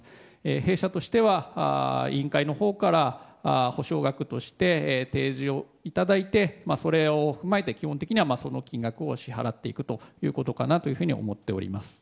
弊社としては、委員会のほうから補償額として提示をいただいてそれを踏まえて基本的には、その金額を支払っていくということかなと思っております。